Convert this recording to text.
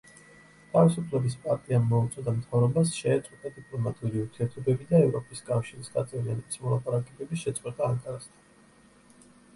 თავისუფლების პარტიამ მოუწოდა მთავრობას შეეწყვიტა დიპლომატიური ურთიერთობები და ევროპის კავშირის გაწევრიანების მოლაპარაკებების შეწყვეტა ანკარასთან.